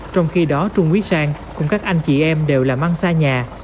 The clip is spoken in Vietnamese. trong khi đó trung quy sang cũng các anh chị em đều là mang xa nhà